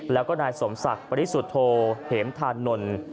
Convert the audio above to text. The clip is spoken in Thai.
แล้วก็นายสมศักดิ์ปริสุทธโธเหมธานนท์